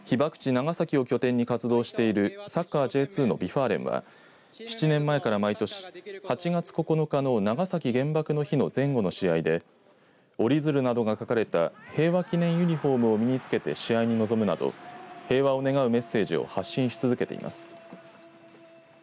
長崎を拠点に活動しているサッカーＪ２のＶ・ファーレンは７年前から毎年８月９日の長崎への原爆の日の前後の試合で折り鶴などが描かれた平和祈念ユニフォームを身につけて試合に臨むなど平和を願うメッセージを発信し続けています。